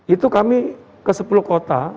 itu kami ke sepuluh kota